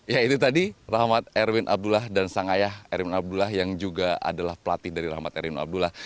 ya itu tadi rahmat erwin abdullah dan sang ayah erwin abdullah yang juga adalah pelatih dari rahmat erwin abdullah